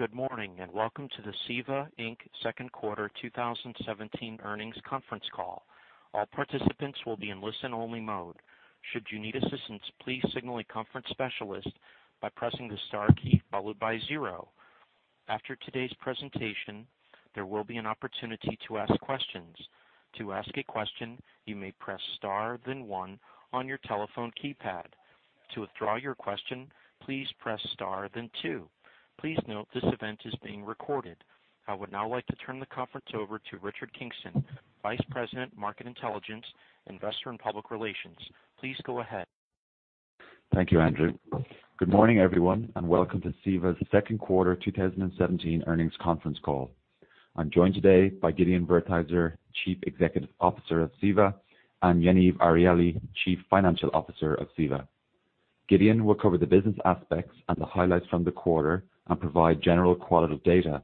Good morning, and welcome to the CEVA Inc. second quarter 2017 earnings conference call. All participants will be in listen-only mode. Should you need assistance, please signal a conference specialist by pressing the star key, followed by 0. After today's presentation, there will be an opportunity to ask questions. To ask a question, you may press star, then 1 on your telephone keypad. To withdraw your question, please press star, then 2. Please note this event is being recorded. I would now like to turn the conference over to Richard Kingston, Vice President, Market Intelligence, Investor and Public Relations. Please go ahead. Thank you, Andrew. Good morning, everyone, and welcome to CEVA's second quarter 2017 earnings conference call. I'm joined today by Gideon Wertheizer, Chief Executive Officer of CEVA, and Yaniv Arieli, Chief Financial Officer of CEVA. Gideon will cover the business aspects and the highlights from the quarter and provide general qualitative data.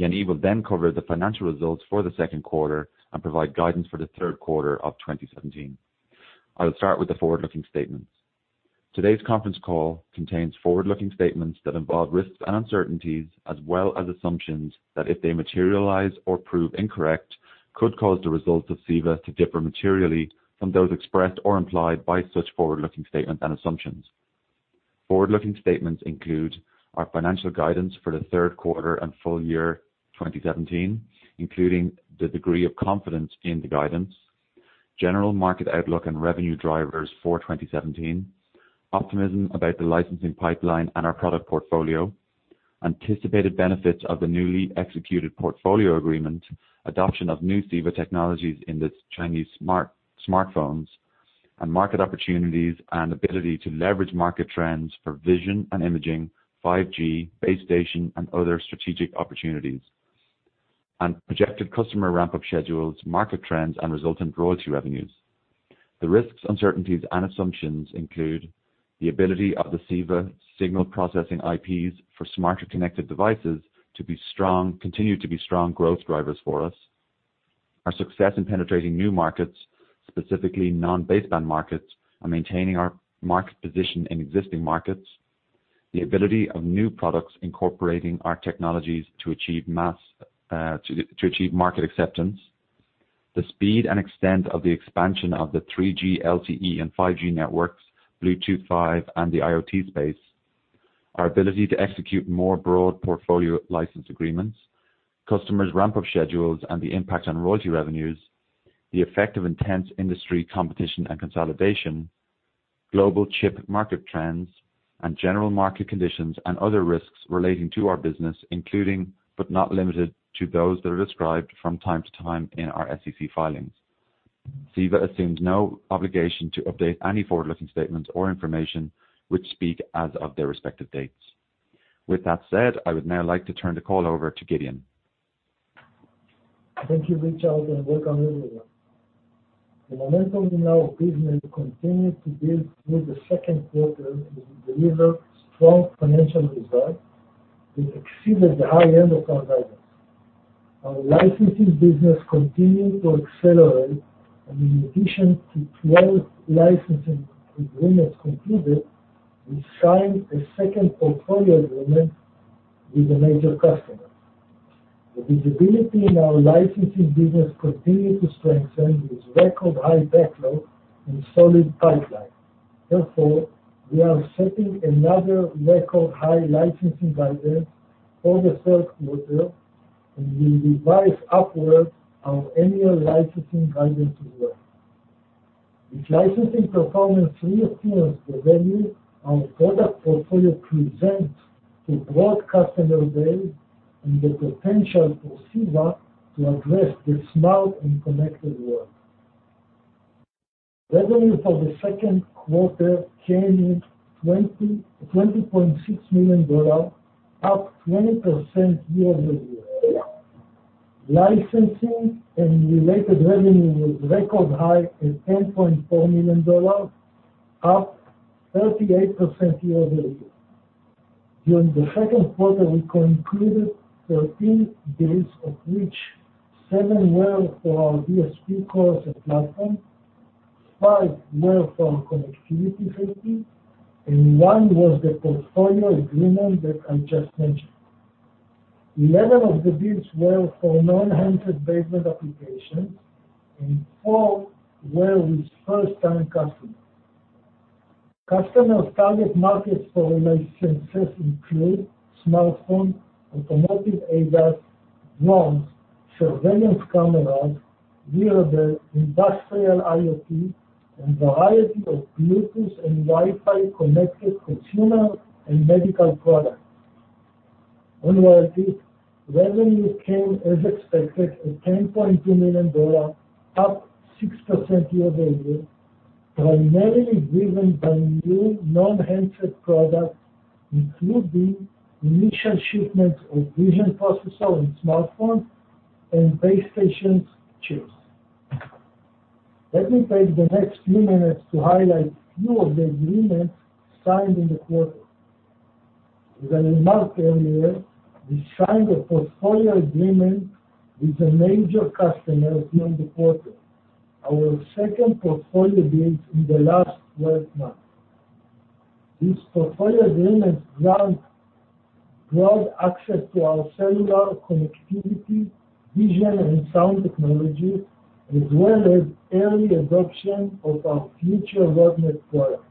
Yaniv will cover the financial results for the second quarter and provide guidance for the third quarter of 2017. I will start with the forward-looking statements. Today's conference call contains forward-looking statements that involve risks and uncertainties as well as assumptions that if they materialize or prove incorrect, could cause the results of CEVA to differ materially from those expressed or implied by such forward-looking statements and assumptions. Forward-looking statements include our financial guidance for the third quarter and full year 2017, including the degree of confidence in the guidance, general market outlook, and revenue drivers for 2017, optimism about the licensing pipeline and our product portfolio, anticipated benefits of the newly executed portfolio agreement, adoption of new CEVA technologies in the Chinese smartphones, and market opportunities and ability to leverage market trends for vision and imaging, 5G, base station, and other strategic opportunities, and projected customer ramp-up schedules, market trends, and resultant royalty revenues. The risks, uncertainties, and assumptions include the ability of the CEVA signal processing IPs for smarter connected devices to continue to be strong growth drivers for us, our success in penetrating new markets, specifically non-baseband markets, and maintaining our market position in existing markets, the ability of new products incorporating our technologies to achieve market acceptance, the speed and extent of the expansion of the 3G, LTE, and 5G networks, Bluetooth 5, and the IoT space, our ability to execute more broad portfolio license agreements, customers' ramp-up schedules, and the impact on royalty revenues, the effect of intense industry competition and consolidation, global chip market trends, and general market conditions and other risks relating to our business, including but not limited to those that are described from time to time in our SEC filings. CEVA assumes no obligation to update any forward-looking statements or information which speak as of their respective dates. With that said, I would now like to turn the call over to Gideon. Thank you, Richard, and welcome, everyone. The momentum in our business continued to build through the second quarter as we delivered strong financial results that exceeded the high end of our guidance. Our licensing business continued to accelerate, and in addition to 12 licensing agreements completed, we signed a second portfolio agreement with a major customer. The visibility in our licensing business continued to strengthen with record-high backlog and solid pipeline. Therefore, we are setting another record high licensing guidance for the third quarter and will revise upward our annual licensing guidance as well. With licensing performance re-occurring revenue, our product portfolio presents a broad customer base and the potential for CEVA to address the smart and connected world. Revenue for the second quarter came in $20.6 million, up 20% year-over-year. Licensing and related revenue was record high at $10.4 million, up 38% year-over-year. During the second quarter, we concluded 13 deals, of which seven were for our DSP cores and platform, five were for connectivity licenses, and one was the portfolio agreement that I just mentioned. Eleven of the deals were for non-handset-based applications, and four were with first-time customers. Customers' target markets for licenses include smartphone, automotive ADAS, drones, surveillance cameras, wearable, industrial IoT, and variety of Bluetooth and Wi-Fi connected consumer and medical products. On royalty, revenue came as expected at $10.2 million, up 6% year-over-year, primarily driven by new non-handset products, including initial shipments of vision processor in smartphones and base station chips. Let me take the next few minutes to highlight a few of the agreements signed in the quarter. As I remarked earlier, we signed a portfolio agreement with a major customer during the quarter. Our second portfolio deals in the last 12 months. These portfolio agreements grant broad access to our cellular connectivity, vision, and sound technology, as well as early adoption of our future roadmap products.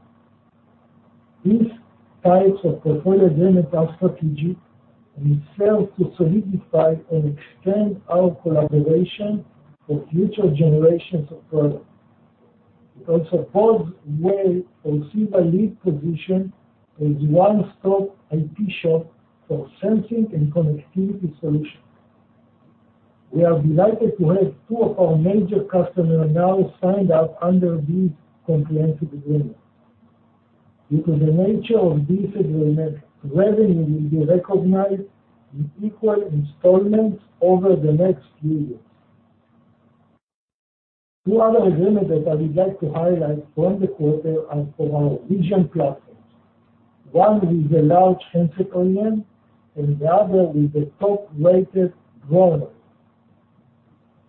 These types of portfolio agreements are strategic and serve to solidify and extend our collaboration for future generations of products. It also paves way for CEVA lead position as a one-stop IP shop for sensing and connectivity solutions. We are delighted to have two of our major customers now signed up under these comprehensive agreements. Due to the nature of these agreements, revenue will be recognized in equal installments over the next few years. Two other agreements that I would like to highlight from the quarter are for our vision platforms. One is a large handset OEM and the other is a top-rated drone maker.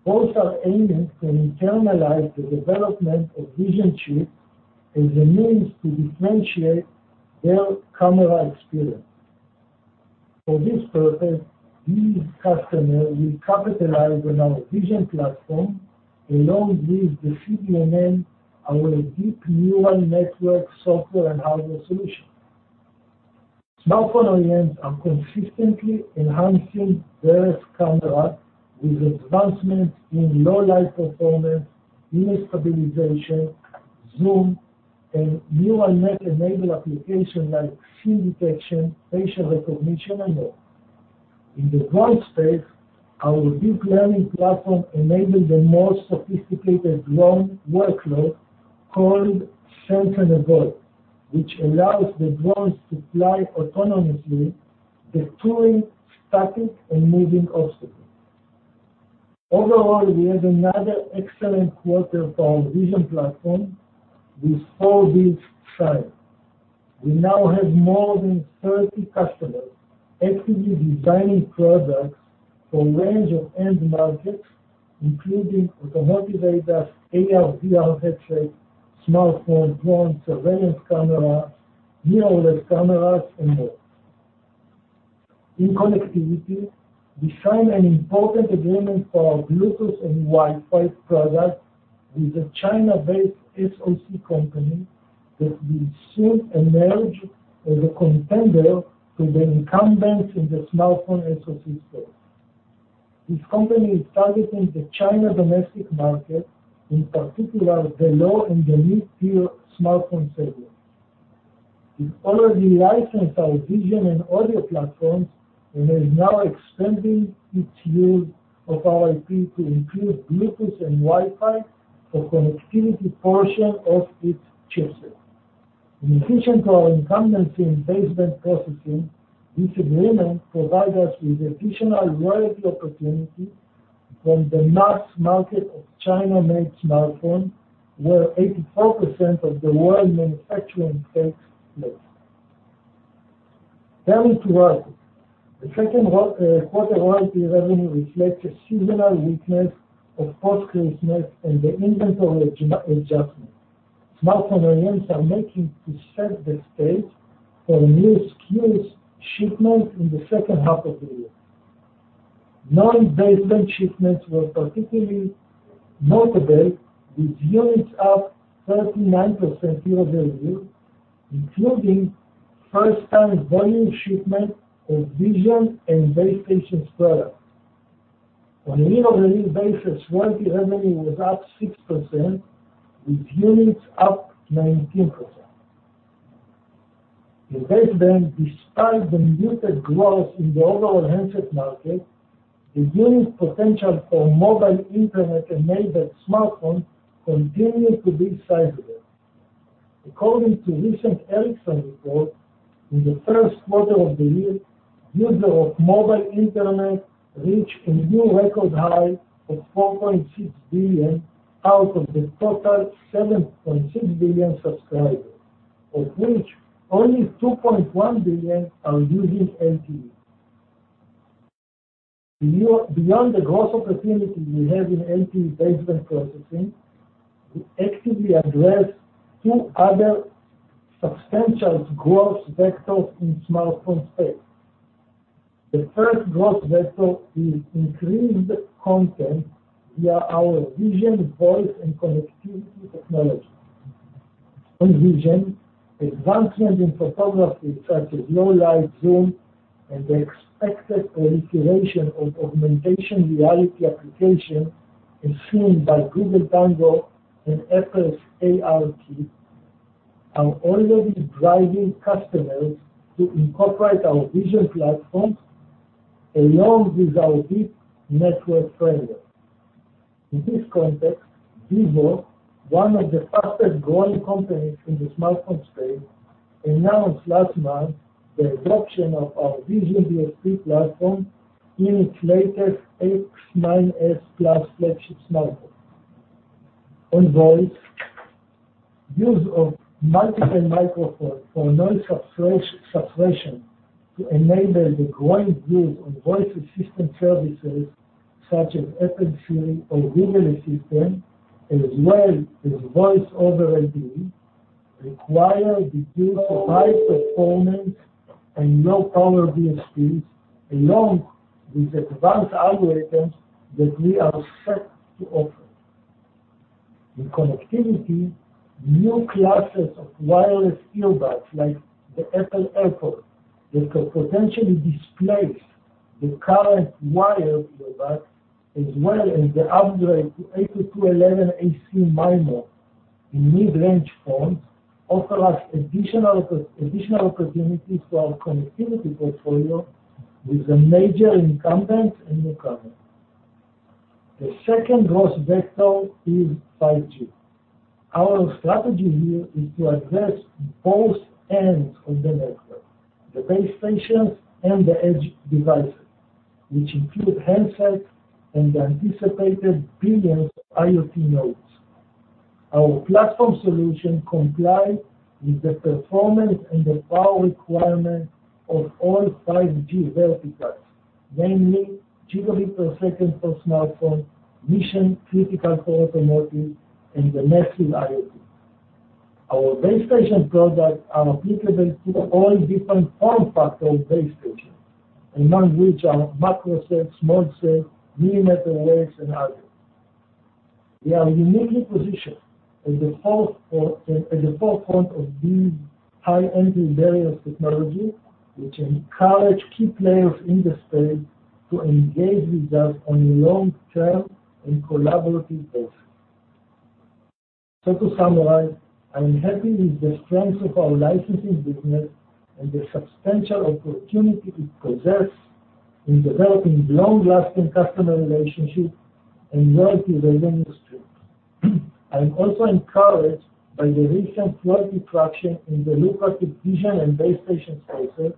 Both are aiming to internalize the development of vision chips as a means to differentiate their camera experience. For this purpose, these customers will capitalize on our vision platform along with the CNN, our deep neural network software and hardware solution. Smartphone OEMs are consistently enhancing their camera with advancements in low light performance, image stabilization, zoom, and neural net-enabled applications like scene detection, facial recognition, and more. In the drone space, our deep learning platform enables the most sophisticated drone workload called sense and avoid, which allows the drones to fly autonomously, detecting static and moving obstacles. Overall, we had another excellent quarter for our vision platform with four deals signed. We now have more than 30 customers actively designing products for a range of end markets, including automotive ADAS, AR/VR headsets, smartphones, drones, surveillance cameras, mirrorless cameras, and more. In connectivity, we signed an important agreement for our Bluetooth and Wi-Fi products with a China-based SoC company that will soon emerge as a contender to the incumbents in the smartphone SoC space. This company is targeting the China domestic market, in particular the low and the mid-tier smartphone segments. It already licensed our vision and audio platforms and is now extending its use of our IP to include Bluetooth and Wi-Fi for connectivity portion of its chipset. In addition to our incumbency in baseband processing, this agreement provides us with additional royalty opportunity from the mass market of China-made smartphones, where 84% of the world manufacturing takes place. Turning to royalty. The second quarter royalty revenue reflects a seasonal weakness of post-Christmas and the inventory adjustment. Smartphone OEMs are making to set the stage for new SKU shipments in the second half of the year. Non-baseband shipments were particularly notable, with units up 39% year-over-year, including first-time volume shipment of vision and base stations products. On a year-over-year basis, royalty revenue was up 6%, with units up 19%. In baseband, despite the muted growth in the overall handset market, the unit potential for mobile Internet-enabled smartphone continued to be sizable. According to recent Ericsson report, in the first quarter of the year, user of mobile Internet reached a new record high of 4.6 billion out of the total 7.6 billion subscribers, of which only 2.1 billion are using LTE. Beyond the growth opportunity we have in LTE baseband processing, we actively address two other substantial growth vectors in smartphone space. The first growth vector is increased content via our vision, voice, and connectivity technologies. On vision, advancement in photography such as low light, zoom, and the expected proliferation of augmented reality application as seen by Google Tango and Apple's ARKit are already driving customers to incorporate our vision platforms along with our deep network framework. In this context, Vivo, one of the fastest growing companies in the smartphone space, announced last month the adoption of our Vision DSP platform in its latest X9s Plus flagship smartphone. On voice Use of multiple microphones for noise suppression to enable the growing use of voice assistant services such as Apple Siri or Google Assistant, as well as voice over IP, require the use of high performance and low power DSPs, along with advanced algorithms that we are set to offer. In connectivity, new classes of wireless earbuds like the Apple AirPods, that could potentially displace the current wired earbuds, as well as the upgrade to 802.11ac MIMO in mid-range phones offer us additional opportunities to our connectivity portfolio with the major incumbents and newcomers. The second growth vector is 5G. Our strategy here is to address both ends of the network, the base stations and the edge devices, which include handsets and the anticipated billions of IoT nodes. Our platform solution complies with the performance and the power requirements of all 5G verticals, namely gigabit per second for smartphone, mission critical for automotive, and the massive IoT. Our base station products are applicable to all different form factors of base stations, among which are macrocell, small cell, millimeter waves, and others. To summarize, I am happy with the strength of our licensing business and the substantial opportunity it possess in developing long-lasting customer relationships and royalty revenue streams. I am also encouraged by the recent royalty traction in the lucrative vision and base station spaces.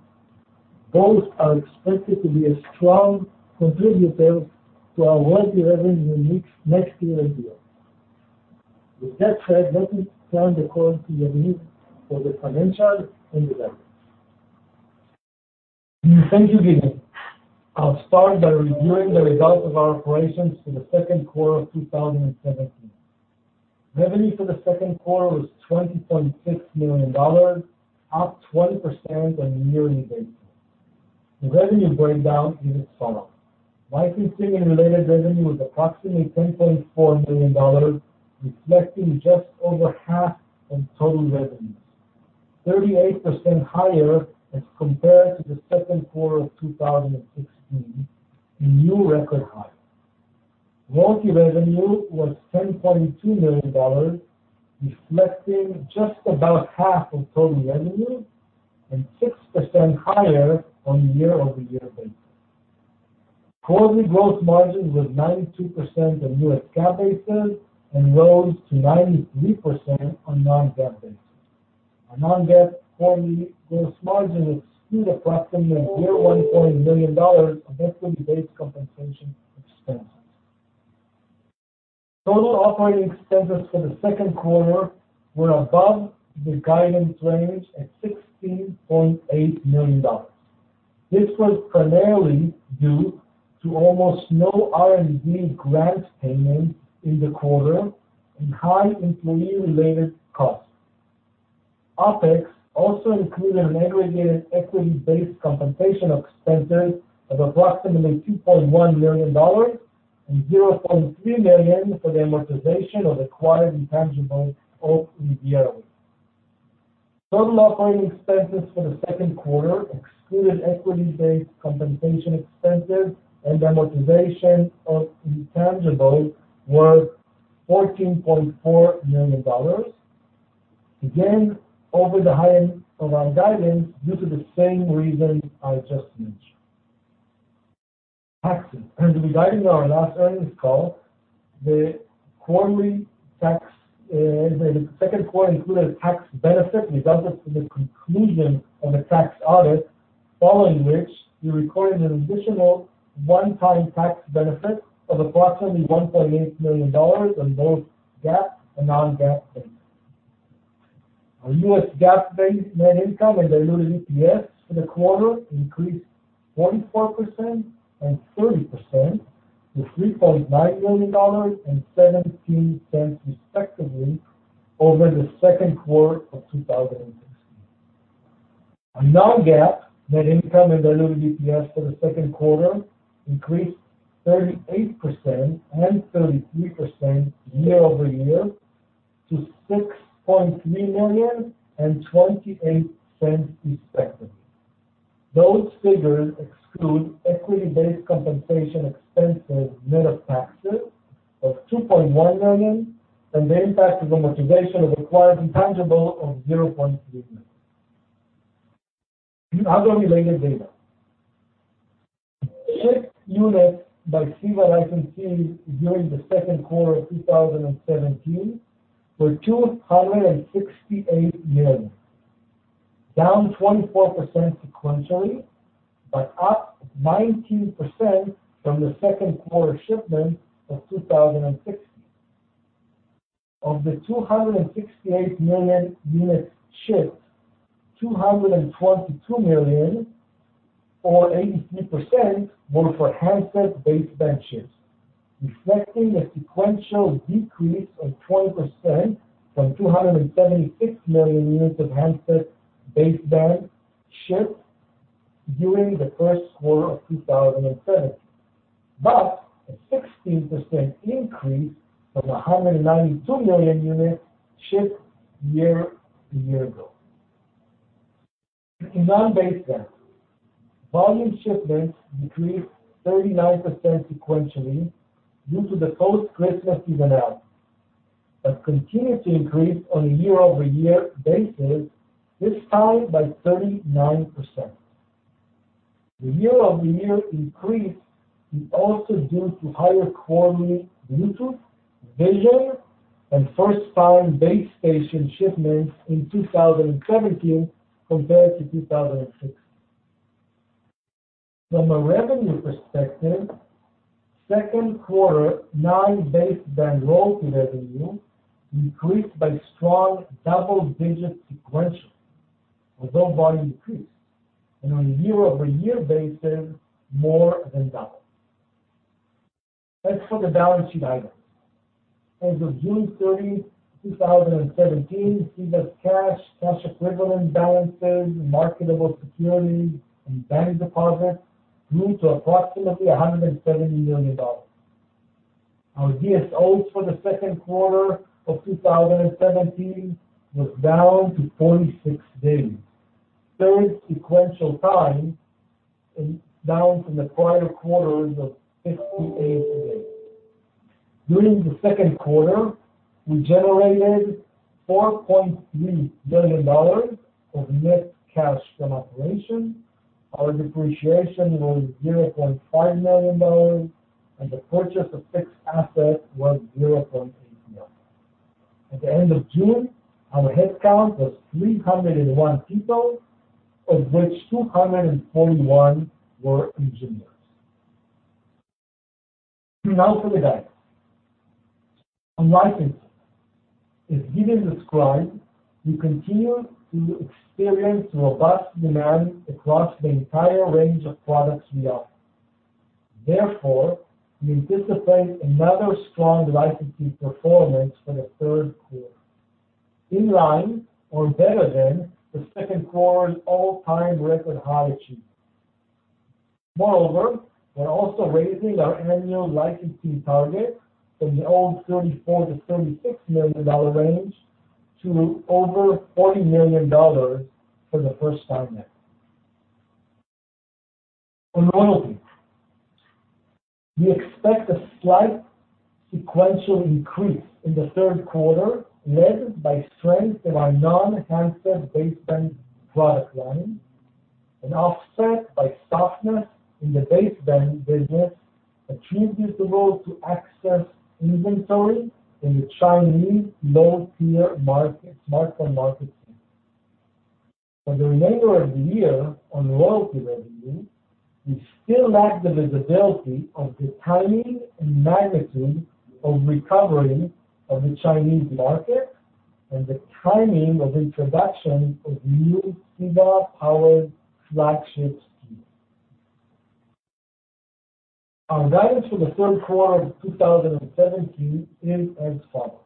Both are expected to be a strong contributor to our royalty revenue mix next year and beyond. With that said, let me turn the call to Yoni for the financials and the guidance. Thank you, Gidi. I will start by reviewing the results of our operations for the second quarter of 2017. Revenue for the second quarter was $20.6 million, up 20% on a year-on-year basis. The revenue breakdown is as follows: Licensing and related revenue was approximately $10.4 million, reflecting just over half on total revenues, 38% higher as compared to the second quarter of 2016, a new record high. Royalty revenue was $10.2 million, reflecting just about half of total revenue and 6% higher on a year-over-year basis. Quarterly gross margin was 92% on U.S. GAAP basis, and rose to 93% on non-GAAP basis. Our non-GAAP quarterly gross margin exclude approximately $1.4 million of equity-based compensation expenses. Total operating expenses for the second quarter were above the guidance range at $16.8 million. This was primarily due to almost no R&D grant payments in the quarter and high employee-related costs. OpEx also included an aggregated equity-based compensation expenses of approximately $2.1 million and $0.3 million for the amortization of acquired intangibles of Evelio. Total operating expenses for the second quarter excluded equity-based compensation expenses and amortization of intangibles were $14.4 million. Again, over the high end of our guidance due to the same reasons I just mentioned. Taxes. As we guided on our last earnings call, the second quarter included a tax benefit, resulted from the conclusion of a tax audit, following which we recorded an additional one-time tax benefit of approximately $1.8 million on both U.S. GAAP and non-GAAP basis. Our U.S. GAAP base net income and diluted EPS for the quarter increased 44% and 30% to $3.9 million and $0.17 respectively over the second quarter of 2016. Our non-GAAP net income and diluted EPS for the second quarter increased 38% and 33% year-over-year to $6.3 million and $0.28 respectively. Those figures exclude equity-based compensation expenses, net of taxes of $2.1 million and the impact of amortization of acquired intangibles of $0.3 million. Other related data. Chips units by CEVA licensees during the second quarter of 2017 were 268 million. Down 24% sequentially, up 19% from the second quarter shipments of 2016. Of the 268 million units shipped, 222 million or 83% were for handset baseband ships, reflecting a sequential decrease of 20% from 276 million units of handset baseband shipped during the first quarter of 2017, a 16% increase from 192 million units shipped year to year ago. In non-baseband, volume shipments decreased 39% sequentially due to the post-Christmas seasonality, continued to increase on a year-over-year basis, this time by 39%. The year-over-year increase is also due to higher quarterly Bluetooth, vision, and first-time base station shipments in 2017 compared to 2016. From a revenue perspective, second quarter non-baseband royalty revenue increased by strong double digits sequentially, although volume decreased, on a year-over-year basis, more than doubled. As for the balance sheet items. As of June 30, 2017, CEVA's cash equivalent balances, marketable securities, and bank deposits grew to approximately $170 million. Our DSOs for the second quarter of 2017 was down to 46 days, third sequential time down from the prior quarters of 58 days. During the second quarter, we generated $4.3 million of net cash from operations. Our depreciation was $0.5 million, the purchase of fixed assets was $0.8 million. At the end of June, our headcount was 301 people, of which 241 were engineers. Now for the guidance. On licensing, as previously described, we continue to experience robust demand across the entire range of products we offer. Therefore, we anticipate another strong licensing performance for the third quarter, in line or better than the second quarter's all-time record high achievement. Moreover, we're also raising our annual licensing target from the old $34 million-$36 million range to over $40 million for the first time ever. On royalty, we expect a slight sequential increase in the third quarter, led by strength in our non-handset baseband product line offset by softness in the baseband business attributable to excess inventory in the Chinese low-tier smartphone market scene. For the remainder of the year on royalty revenue, we still lack the visibility of the timing and magnitude of recovery of the Chinese market and the timing of introduction of new CEVA-powered flagship SKUs. Our guidance for the third quarter of 2017 is as follows: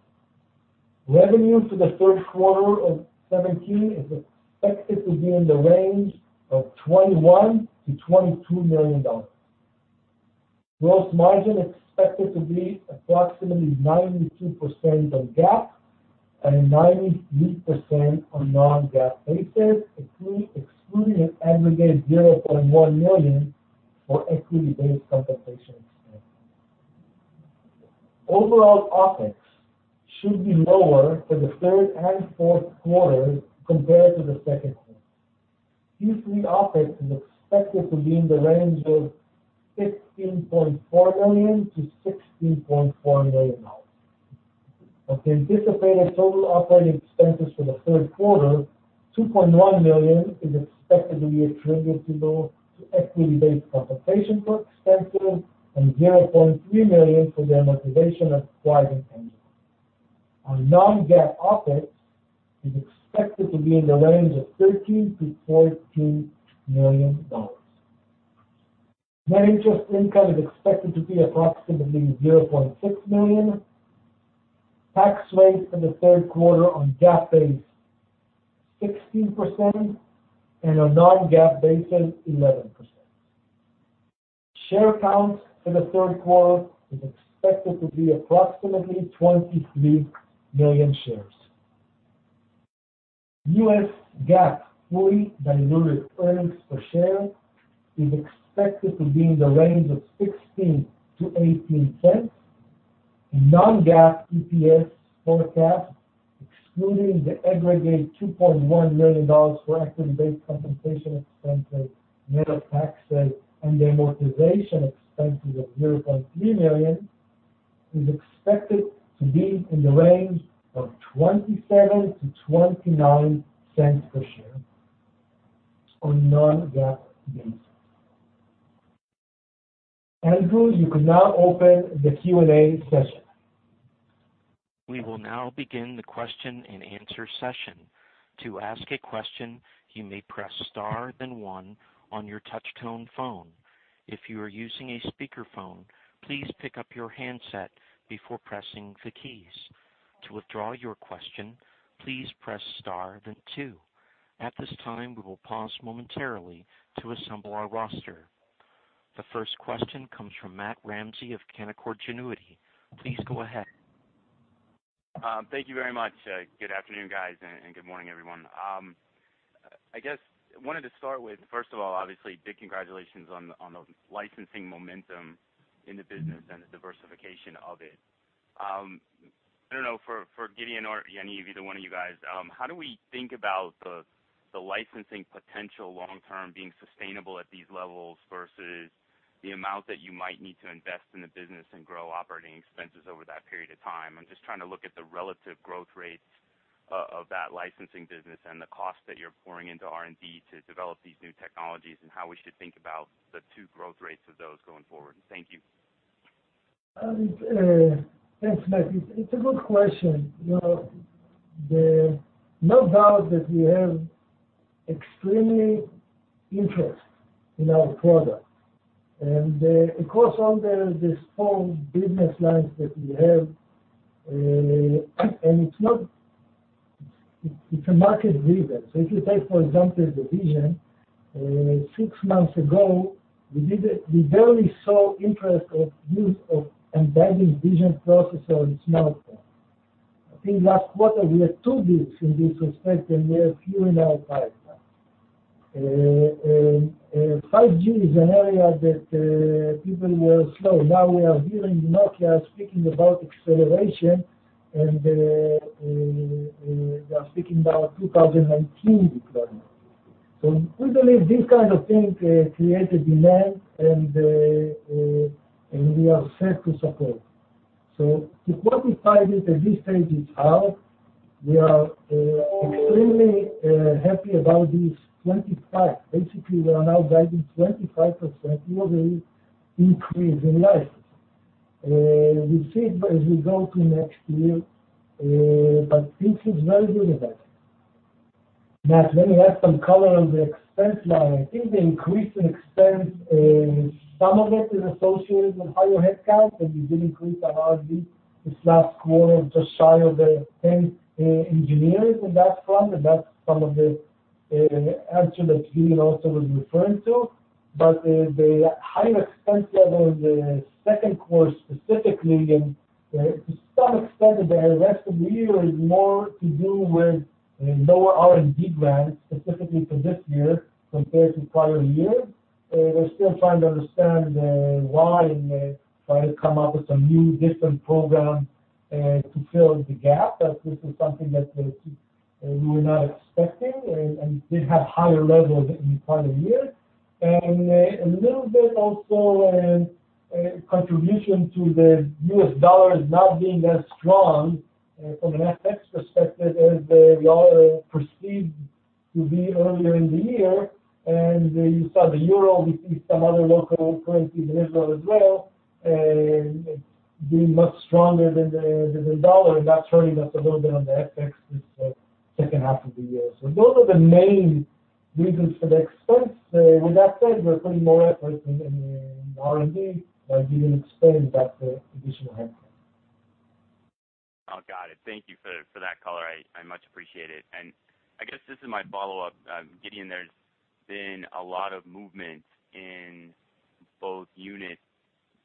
Revenue for the third quarter of 2017 is expected to be in the range of $21 million-$22 million. Gross margin expected to be approximately 92% on GAAP, 93% on non-GAAP basis, excluding an aggregate $0.1 million for equity-based compensation expense. Overall OpEx should be lower for the third and fourth quarter compared to the second quarter. Q3 OpEx is expected to be in the range of $16.4 million-$60.4 million. Of the anticipated total operating expenses for the third quarter, $2.1 million is expected to be attributable to equity-based compensation expenses, $0.3 million for the amortization of acquired intangibles. Our non-GAAP OpEx is expected to be in the range of $13 million-$14 million. Net interest income is expected to be approximately $0.6 million. Tax rate in the third quarter on GAAP base, 16%, and on non-GAAP basis, 11%. Share count for the third quarter is expected to be approximately 23 million shares. U.S. GAAP fully diluted earnings per share is expected to be in the range of $0.16 to $0.18. Non-GAAP EPS forecast, excluding the aggregate $2.1 million for equity-based compensation expenses, net of taxes, and the amortization expenses of $0.3 million Is expected to be in the range of $0.27 to $0.29 per share on non-GAAP basis. Andrew, you can now open the Q&A session. We will now begin the question and answer session. To ask a question, you may press star then one on your touch tone phone. If you are using a speakerphone, please pick up your handset before pressing the keys. To withdraw your question, please press star then two. At this time, we will pause momentarily to assemble our roster. The first question comes from Matthew Ramsay of Canaccord Genuity. Please go ahead. Thank you very much. Good afternoon, guys, and good morning, everyone. I guess I wanted to start with, first of all, obviously big congratulations on the licensing momentum in the business and the diversification of it. I don't know, for Gideon or Yoni, either one of you guys, how do we think about the licensing potential long-term being sustainable at these levels versus the amount that you might need to invest in the business and grow operating expenses over that period of time? I'm just trying to look at the relative growth rates of that licensing business and the cost that you're pouring into R&D to develop these new technologies, and how we should think about the two growth rates of those going forward. Thank you. Thanks, Matt. It's a good question. No doubt that we have extremely interest in our product. Across all the 4 business lines that we have, and it's a market leader. If you take, for example, the vision, 6 months ago, we barely saw interest of use of embedding vision processor in smartphone. I think last quarter, we had 2 deals in this respect, and we have few in our pipeline. 5G is an area that people were slow. Now we are hearing Nokia speaking about acceleration, and they are speaking about 2019 deployment. We believe this kind of thing creates a demand, and we are set to support. To quantify it at this stage is how we are extremely happy about this 25. Basically, we are now guiding 25% yearly increase in license. We'll see it as we go to next year, this is very good effect. Matt, let me add some color on the expense line. I think the increase in expense, some of it is associated with higher headcount, and we did increase our R&D this last quarter, just shy of the 10 engineers in that front, and that's some of the answer that Gideon also was referring to. The higher expense level in the 2Q specifically, and to some extent the rest of the year, is more to do with lower R&D grants specifically for this year compared to prior year. We're still trying to understand why, and trying to come up with some new different program to fill the gap, but this is something that we were not expecting, and did have higher levels in prior year. A little bit also, contribution to the U.S. dollar is not being as strong from an FX perspective as we all perceived to be earlier in the year. You saw the EUR, we see some other local currencies in Israel as well, being much stronger than the U.S. dollar, and that's hurting us a little bit on the FX this 2H of the year. Those are the main reasons for the expense. With that said, we're putting more efforts in R&D by giving expense that additional headcount. Oh, got it. Thank you for that color. I much appreciate it. I guess this is my follow-up. Gideon, there's been a lot of movement in both unit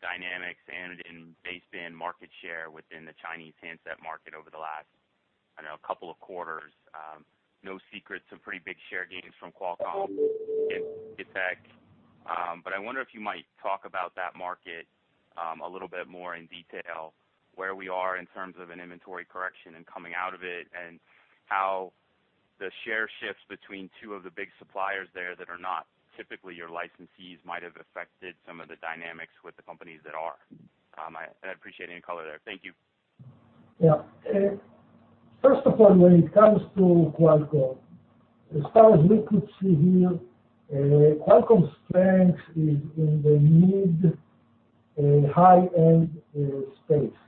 dynamics and in baseband market share within the Chinese handset market over the last, I don't know, 2 quarters. No secret, some pretty big share gains from Qualcomm in effect. I wonder if you might talk about that market a little bit more in detail, where we are in terms of an inventory correction and coming out of it, and how the share shifts between 2 of the big suppliers there that are not typically your licensees might have affected some of the dynamics with the companies that are. I'd appreciate any color there. Thank you. First of all, when it comes to Qualcomm, as far as we could see here, Qualcomm's strength is in the mid-high-end space.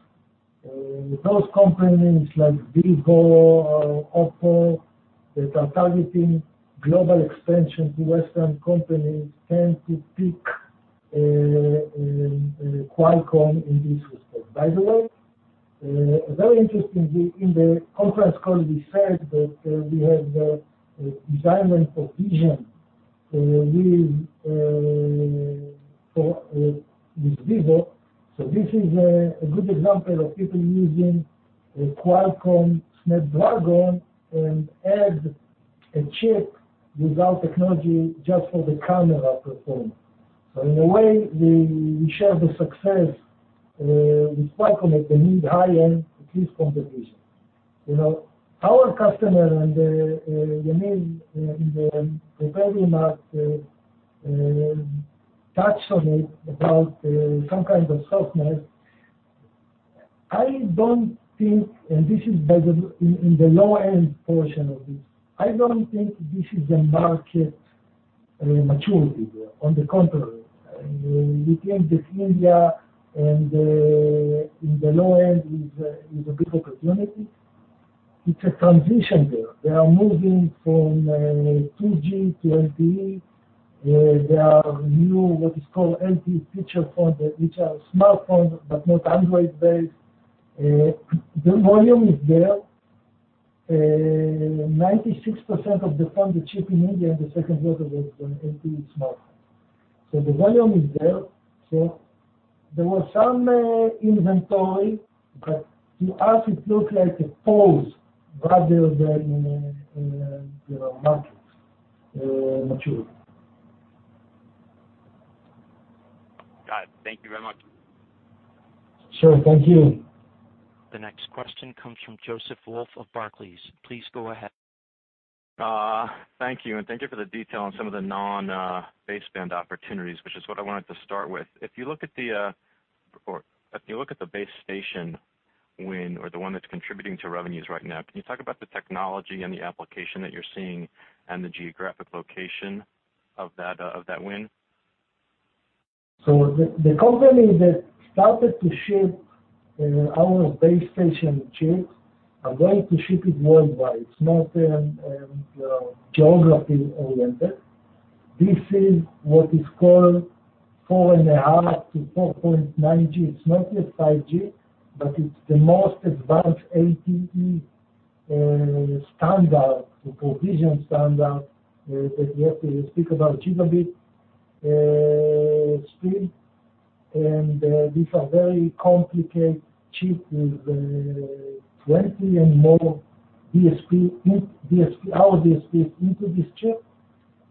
Those companies like Vivo or Oppo that are targeting global expansion to Western companies tend to pick Qualcomm in this respect. By the way, very interestingly, in the conference call, we said that we have a design win for vision with Vivo. This is a good example of people using a Qualcomm Snapdragon and add a chip with our technology just for the camera performance. In a way, we share the success with Qualcomm at the mid-high end, at least from the vision. Our customer and Yaniv, in the very much touch on it about some kind of softness. I don't think, and this is in the low-end portion of it, I don't think this is a market maturity there. On the contrary. We think that India and the low end is a big opportunity. It's a transition there. They are moving from 2G to LTE. There are new, what is called LTE feature phone, which are smartphone but not Android-based. The volume is there. 96% of the phone, the chip in India, the second largest, is an LTE smartphone. The volume is there. There was some inventory, but to us it looked like a pause rather than market maturity. Got it. Thank you very much. Sure. Thank you. The next question comes from Joseph Wolf of Barclays. Please go ahead. Thank you. Thank you for the detail on some of the non-baseband opportunities, which is what I wanted to start with. If you look at the base station win or the one that's contributing to revenues right now, can you talk about the technology and the application that you're seeing and the geographic location of that win? The company that started to ship our base station chips are going to ship it worldwide. It's not geography-oriented. This is what is called 4.5G to 4.9G. It's not yet 5G, but it's the most advanced LTE standard, the provision standard, that you have to speak about gigabit speed. These are very complicated chips with 20 and more DSP, our DSPs into this chip.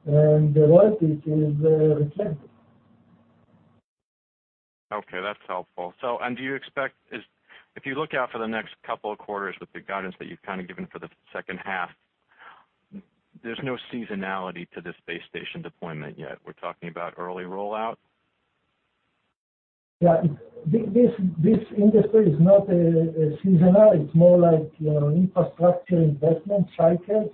The royalty is reflective. Okay, that's helpful. If you look out for the next couple of quarters with the guidance that you've kind of given for the second half, there's no seasonality to this base station deployment yet. We're talking about early rollout? Yeah. This industry is not seasonal. It's more like infrastructure investment cycles,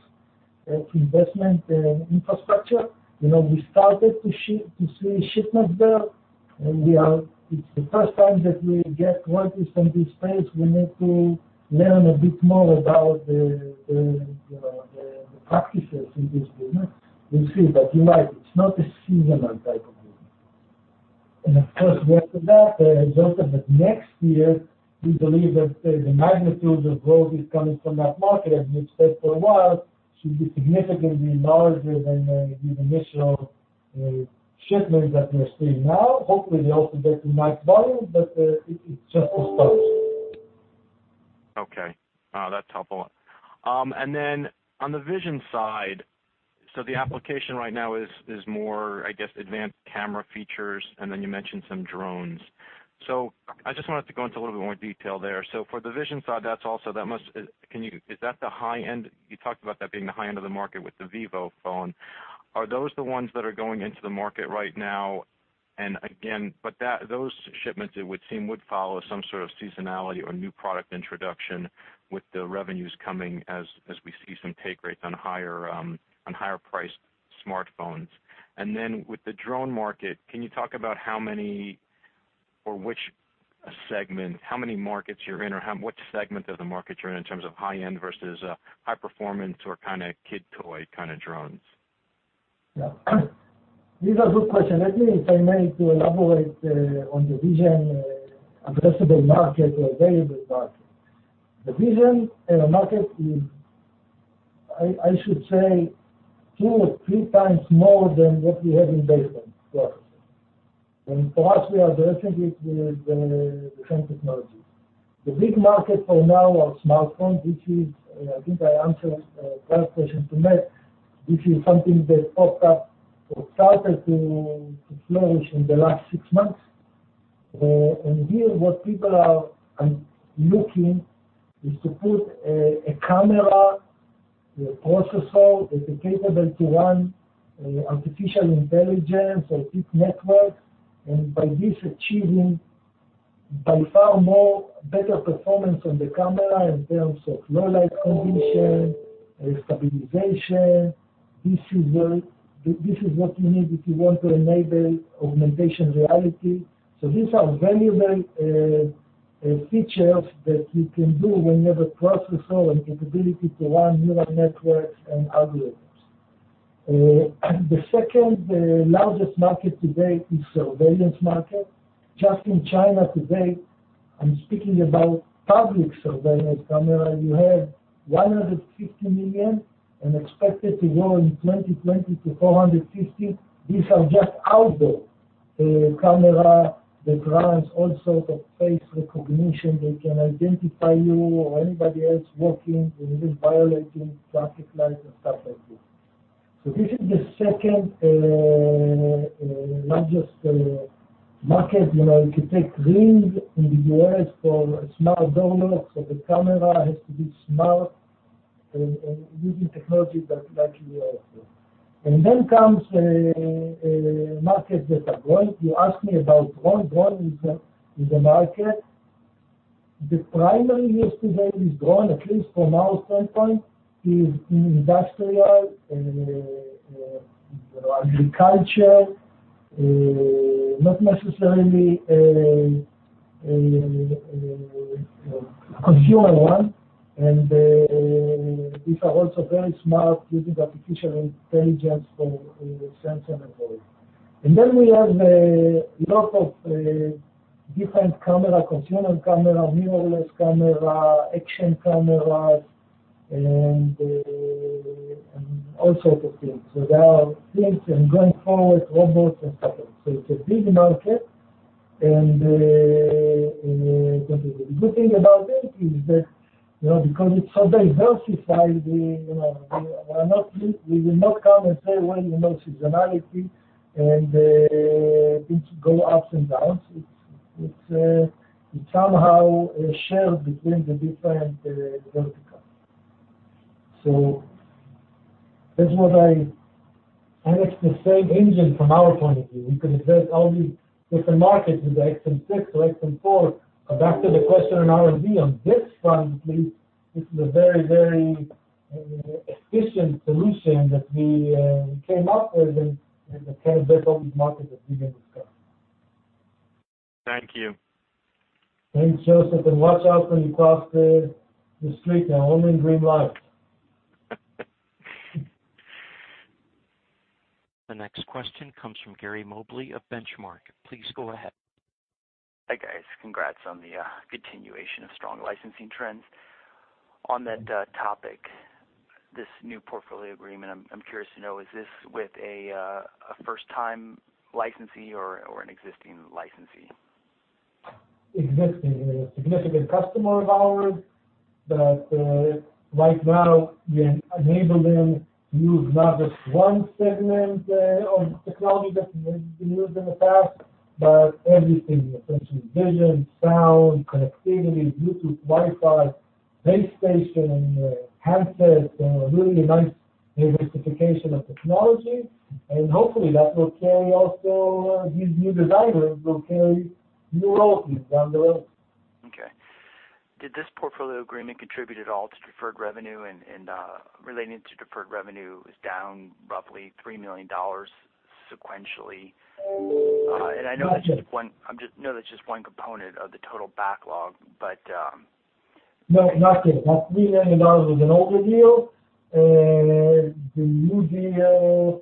investment infrastructure. We started to see shipments there, and it's the first time that we get royalties from this space. We need to learn a bit more about the practices in this business. We'll see. You're right, it's not a seasonal type of business. Of course, after that, Joseph, next year, we believe that the magnitude of growth is coming from that market, as we've said for a while, should be significantly larger than the initial shipments that we are seeing now. Hopefully, they also get a nice volume, but it's just a start. Okay. That's helpful. Then on the vision side, the application right now is more, I guess, advanced camera features, then you mentioned some drones. I just wanted to go into a little bit more detail there. For the vision side, you talked about that being the high end of the market with the Vivo phone. Are those the ones that are going into the market right now? Again, those shipments, it would seem, would follow some sort of seasonality or new product introduction with the revenues coming as we see some take rates on higher priced smartphones. Then with the drone market, can you talk about how many or which segment, how many markets you're in, or which segment of the market you're in in terms of high-end versus high performance or kind of kid toy kind of drones? Yeah. These are good questions. Let me, if I may, to elaborate on the vision addressable market or available market. The vision market is, I should say, two or three times more than what we have in baseband processors. For us, we are addressing it with the same technology. The big market for now are smartphones, which is, I think I answered last question to Matt, which is something that popped up or started to flourish in the last six months. Here, what people are looking is to put a camera processor that is capable to run artificial intelligence or deep networks, and by this achieving, by far more, better performance on the camera in terms of low light condition, stabilization. This is what you need if you want to enable augmentation reality. These are valuable features that you can do whenever processor and capability to run neural networks and algorithms. The second largest market today is surveillance market. Just in China today, I am speaking about public surveillance camera, you have 150 million and expected to grow in 2020 to 450. These are just outdoor camera that runs all sort of face recognition. They can identify you or anybody else walking and even violating traffic lights and stuff like this. This is the second largest market. You can take Ring in the U.S. for a smart doorbell, the camera has to be smart and using technology that we offer. Then comes markets that are growing. You asked me about drone. Drone is a market. The primary use today is drone, at least from our standpoint, is in industrial, agriculture, not necessarily a consumer one. These are also very smart, using artificial intelligence for sense and avoid. We have a lot of different camera, consumer camera, mirrorless camera, action cameras, and all sorts of things. There are things, and going forward, robots and stuff. It's a big market, and the good thing about it is that, because it's so diversified, we will not come and say, well, seasonality and things go ups and downs. It's somehow shared between the different verticals. That's what I. It's the same engine from our point of view. We can address all these different markets with XM6 or XM4. Back to the question on R&D, on this front at least, it's a very efficient solution that we came up with and can build on these markets that we discussed. Thank you. Thanks, Joseph. Watch out when you cross the street. I only dream large. The next question comes from Gary Mobley of Benchmark. Please go ahead. Hi, guys. Congrats on the continuation of strong licensing trends. On that topic, this new portfolio agreement, I am curious to know, is this with a first-time licensee or an existing licensee? Existing. A significant customer of ours that right now we enable them to use not just one segment of technology that has been used in the past, but everything, essentially vision, sound, connectivity, Bluetooth, Wi-Fi, base station, handsets, and a really nice diversification of technology. Hopefully, these new designers will carry new royalties down the road. Okay. Did this portfolio agreement contribute at all to deferred revenue? Relating to deferred revenue is down roughly $3 million sequentially. I know that is just one component of the total backlog. No, not yet. That $3 million was an older deal. The new deal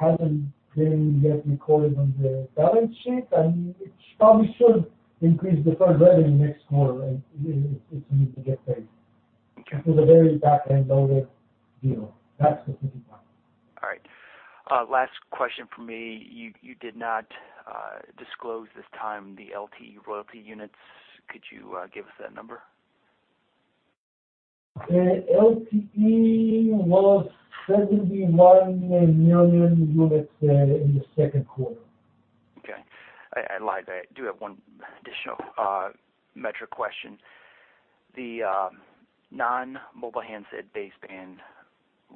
has not been yet recorded on the balance sheet, it probably should increase deferred revenue next quarter as soon as it gets paid. The very back end older deal. That specific one. All right. Last question from me. You did not disclose this time the LTE royalty units. Could you give us that number? LTE was 71 million units in the second quarter. Okay. I lied. I do have one additional metric question. The non-mobile handset baseband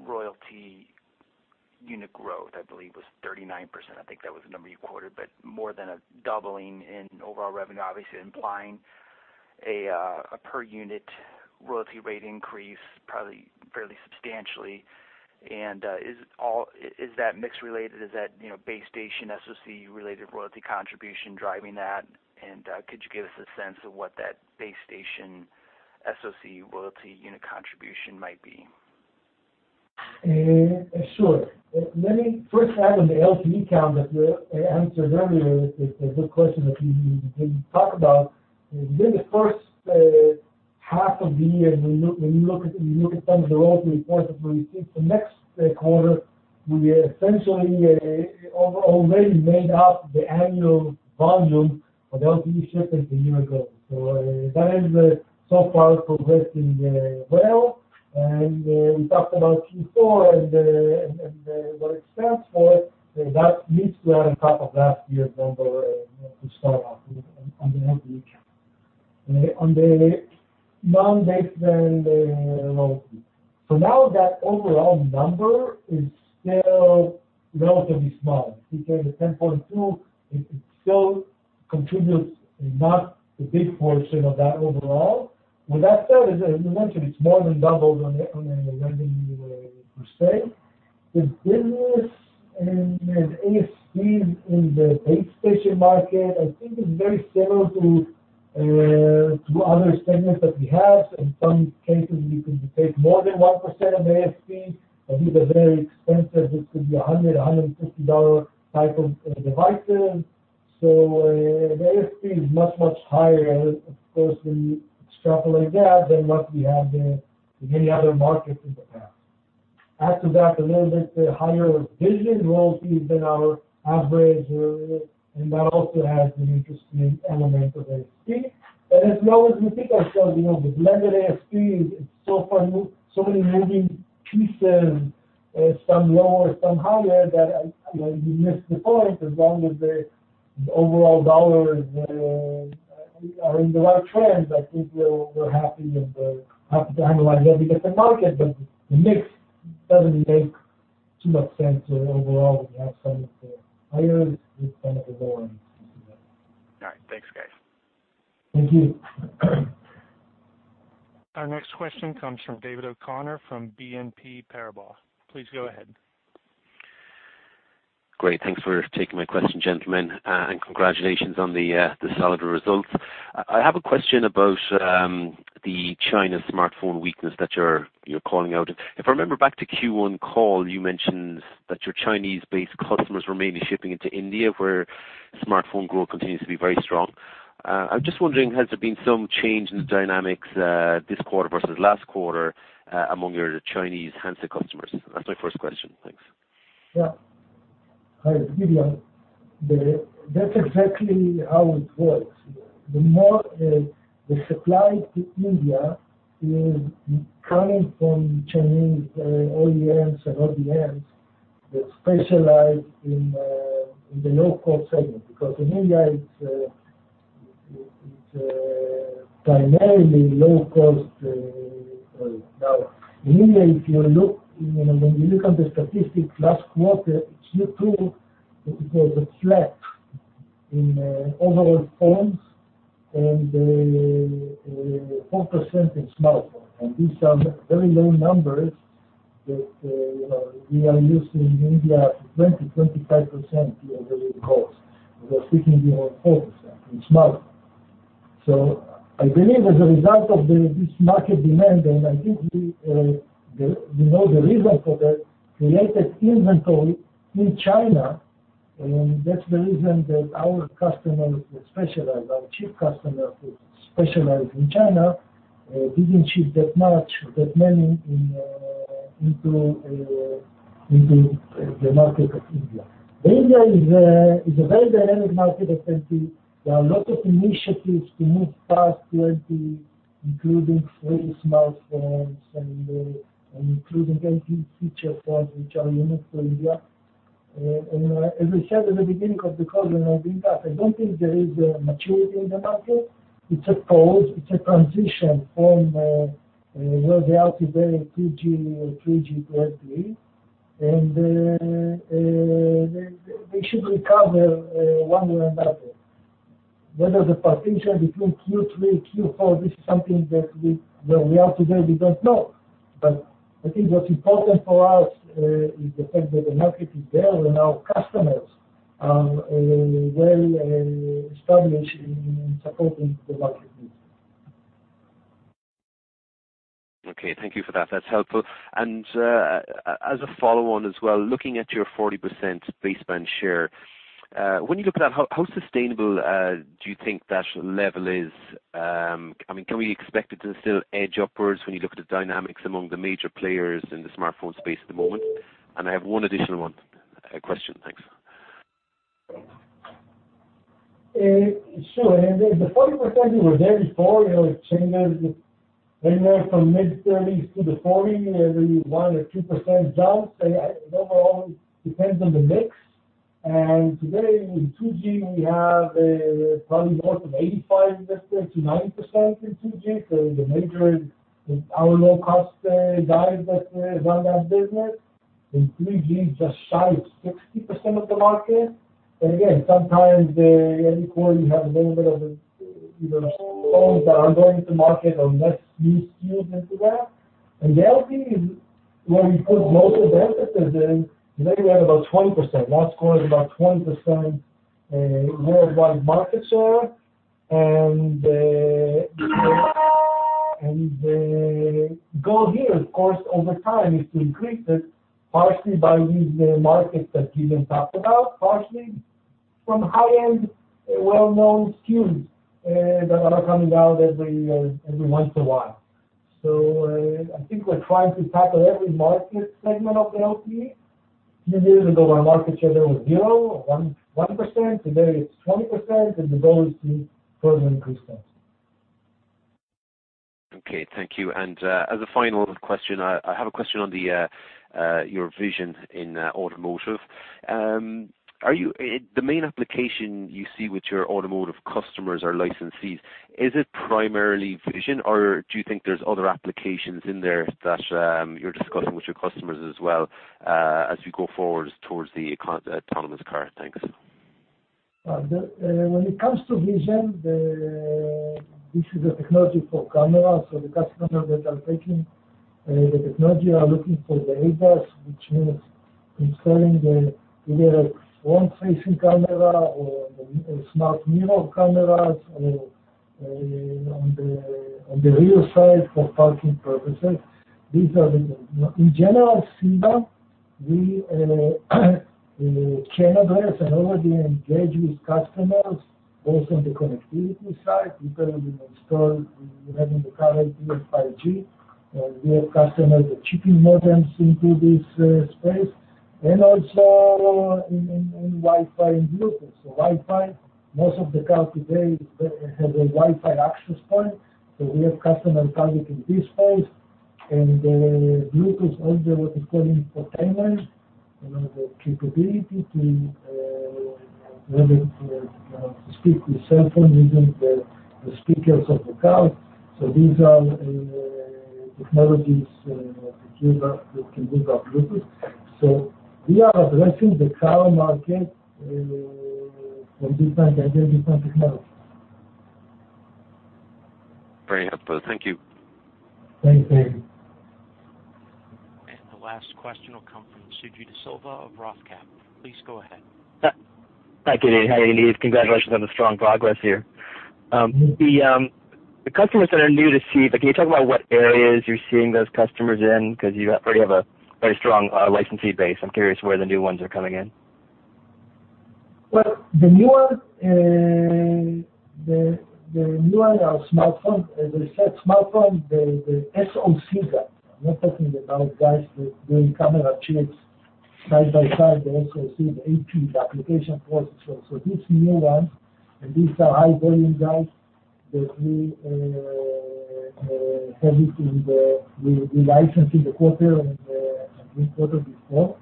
royalty unit growth, I believe, was 39%. I think that was the number you quoted, more than a doubling in overall revenue, obviously implying a per-unit royalty rate increase probably fairly substantially. Is that mix-related? Is that base station SoC-related royalty contribution driving that? Could you give us a sense of what that base station SoC royalty unit contribution might be? Sure. Let me first add on the LTE count that I answered earlier, a good question that you didn't talk about. During the first half of the year, when you look at some of the royalty reports that we received, the next quarter will be essentially already made up the annual volume of LTE shipments a year ago. That is so far progressing well. We talked about Q4 and what it stands for, that needs to run on top of last year's number to start off on the LTE count. On the non-baseband royalty. Now that overall number is still relatively small because the 10.2, it still contributes not a big portion of that overall. With that said, as you mentioned, it's more than doubled on a revenue per se. The business and ASP in the base station market, I think is very similar to other segments that we have. In some cases, we could take more than 1% of ASP. These are very expensive. This could be $100, $150 type of devices. The ASP is much, much higher, of course, when you extrapolate that than what we had in any other markets in the past. Add to that a little bit higher vision royalties than our average, and that also has an interesting element of ASP. As long as we think of ourselves, with blended ASP, so many moving pieces, some lower, some higher, that you miss the point as long as the overall dollars are in the right trends. I think we're happy to analyze that because the market, the mix doesn't make too much sense overall when you have some of the higher with some of the lower PPC. All right. Thanks, guys. Thank you. Our next question comes from David O'Connor from BNP Paribas. Please go ahead. Great. Thanks for taking my question, gentlemen. Congratulations on the solid results. I have a question about the China smartphone weakness that you're calling out. If I remember back to Q1 call, you mentioned that your Chinese-based customers were mainly shipping into India, where smartphone growth continues to be very strong. I'm just wondering, has there been some change in the dynamics this quarter versus last quarter among your Chinese handset customers? That's my first question. Thanks. Hi, it's Gideon. That's exactly how it works. The supply to India is coming from Chinese OEMs and ODMs that specialize in the low-cost segment. Because in India, it's primarily low cost. Now, in India, when you look at the statistics last quarter, Q2, it was flat in overall phones and 4% in smartphone. These are very low numbers that we are used to in India, 20%-25% year-over-year growth. We are speaking here of 4% in smartphone. I believe as a result of this market demand, and I think we know the reason for that, created inventory in China. That's the reason that our customers who specialize, our chief customers who specialize in China, didn't ship that much, that many into the market of India. India is a very dynamic market. I think there are a lot of initiatives to move past 20, including free smartphones and including feature phones which are unique to India. As I said in the beginning of the call, I don't think there is a maturity in the market. It's a pause. It's a transition from where they are today, 2G and 3G, to LTE, they should recover one way or another. Whether the partition between Q3, Q4, this is something that where we are today, we don't know. I think what's important for us, is the fact that the market is there and our customers are well-established in supporting the market needs. Okay. Thank you for that. That's helpful. As a follow-on as well, looking at your 40% baseband share, when you look at that, how sustainable do you think that level is? Can we expect it to still edge upwards when you look at the dynamics among the major players in the smartphone space at the moment? I have one additional question. Thanks. Sure. The 40% we were there before, it changes anywhere from mid-30s to the 40, every 1% or 2% jump. Overall, it depends on the mix. Today in 2G, we have probably north of 85% to 90% in 2G. The major is our low-cost guys that run that business. In 3G, just shy of 60% of the market. Again, sometimes every quarter, you have a little bit of either phones that are going into market or less new SKUs into that. In LTE is where we put most of the emphasis in. There we have about 20%. Last quarter is about 20% worldwide market share. The goal here, of course, over time, is to increase it partially by these markets that Gideon talked about, partially from high-end, well-known SKUs that are coming out every once in a while. I think we're trying to tackle every market segment of the LTE. A few years ago, our market share there was zero or 1%. Today, it's 20%, the goal is to further increase that. Okay, thank you. As a final question, I have a question on your vision in automotive. The main application you see with your automotive customers or licensees, is it primarily vision, or do you think there's other applications in there that you're discussing with your customers as well as we go forward towards the autonomous car? Thanks. When it comes to vision, this is a technology for camera. The customers that are taking the technology are looking for the ADAS, which means installing either a front-facing camera or smart mirror cameras on the rear side for parking purposes. In general, CEVA, we can address and already engage with customers both on the connectivity side, people who install, we have in the car LTE and 5G. We have customers that shipping modems into this space, and also in Wi-Fi and Bluetooth. Wi-Fi, most of the cars today have a Wi-Fi access point, we have customers targeting this space. Bluetooth has what we call infotainment, the capability to speak with cell phone using the speakers of the car. These are technologies that can boost up Bluetooth. We are addressing the car market from different technology. Very helpful. Thank you. Thank you. The last question will come from Suji Desilva of Roth Capital. Please go ahead. Hi, Gideon. How are you? Congratulations on the strong progress here. The customers that are new to CEVA, can you talk about what areas you're seeing those customers in? Because you already have a very strong licensing base. I'm curious where the new ones are coming in. Well, the newer are smartphone, as I said, smartphone, the SoC guy. I am not talking about guys that doing camera chips side by side, the SoC, the AP, the application processor. These new ones, and these are high volume guys that we license in the quarter and the quarter before.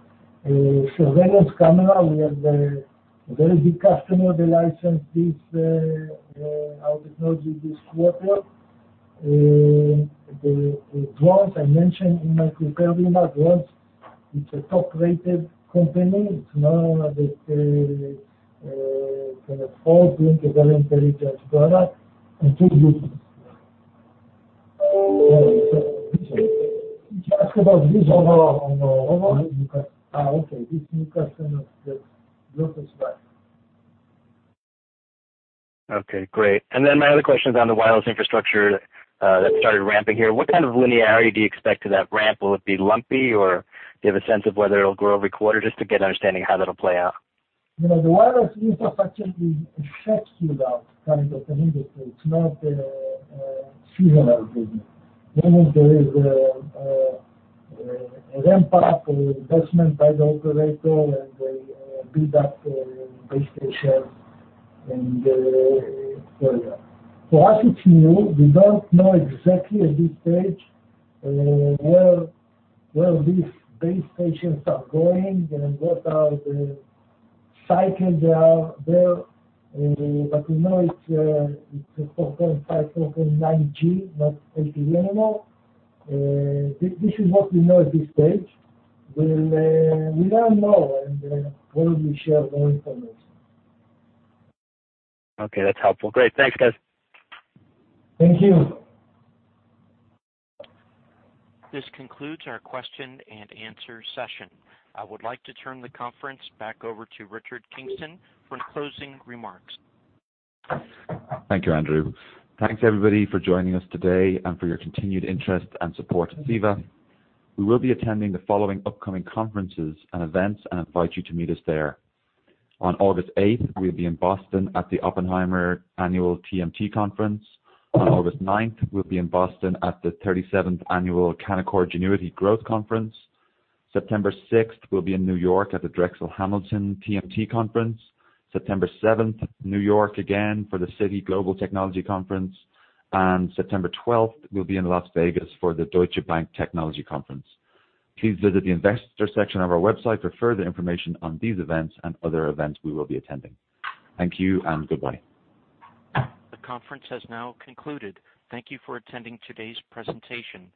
surveillance camera, we have a very big customer that licensed our technology this quarter. The drones I mentioned in my prepared remarks. It is a top-rated company. It is known as the kind of all-doing surveillance intelligence drone and two vehicles. Sorry. Did you ask about these or on the overall new customers? Okay. These new customers that built the spec. Okay, great. My other question is on the wireless infrastructure that started ramping here. What kind of linearity do you expect to that ramp? Will it be lumpy, or do you have a sense of whether it will grow every quarter just to get an understanding how that will play out? The wireless infrastructure is a sexy kind of an industry. It is not a seasonal business. Meaning there is a ramp-up investment by the operator, and they build up base stations. For us, it is new. We do not know exactly at this stage where these base stations are going and what are the cycles that are there. We know it is a so-called 5, so-called 4.9G, not LTE anymore. This is what we know at this stage. We will let know and probably share more information. Okay, that's helpful. Great. Thanks, guys. Thank you. This concludes our question and answer session. I would like to turn the conference back over to Richard Kingston for closing remarks. Thank you, Andrew. Thanks everybody for joining us today and for your continued interest and support of CEVA. We will be attending the following upcoming conferences and events and invite you to meet us there. On August eighth, we'll be in Boston at the Oppenheimer Annual TMT Conference. On August ninth, we'll be in Boston at the 37th Annual Canaccord Genuity Growth Conference. September sixth, we'll be in New York at the Drexel Hamilton TMT Conference. September seventh, New York again for the Citi Global Technology Conference. September twelfth, we'll be in Las Vegas for the Deutsche Bank Technology Conference. Please visit the investor section of our website for further information on these events and other events we will be attending. Thank you and goodbye. The conference has now concluded. Thank you for attending today's presentation.